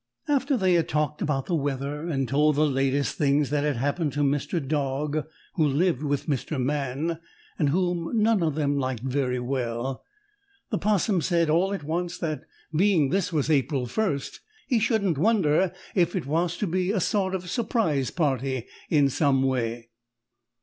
After they had talked about the weather and told the latest things that had happened to Mr. Dog, who lived with Mr. Man, and whom none of them liked very well, the 'Possum said all at once that being this was April First he shouldn't wonder if it was to be a sort of surprise party in some way.